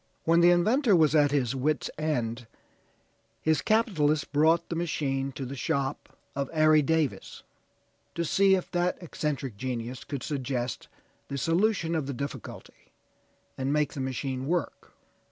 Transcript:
When the inventor was at his wit's end, his capitalist brought the machine to the shop of Ari Davis, to see if that eccentric genius could suggest the solution of the difficulty, and make the machine work.